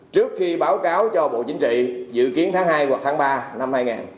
trước khi báo cáo cho bộ chính trị dự kiến tháng hai hoặc tháng ba năm hai nghìn hai mươi